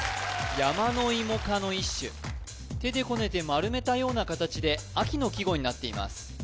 ヤマノイモ科の一種手でこねて丸めたような形で秋の季語になっています